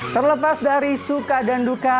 terlepas dari suka dan duka